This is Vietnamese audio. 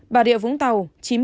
bà địa vũng tàu chín mươi sáu